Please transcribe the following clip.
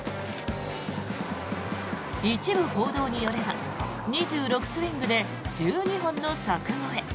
一部報道によれば２６スイングで１２本の柵越え。